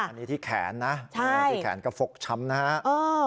อันนี้ที่แขนนะที่แขนก็ฟกช้ำนะฮะ